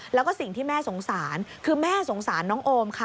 แล้วก็สิ่งที่แม่สงสารคือแม่สงสารน้องโอมค่ะ